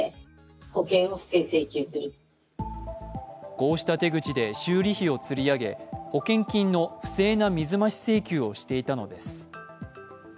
こうした手口で修理費を釣り上げ保険金の不正な水増し請求をしていたのです。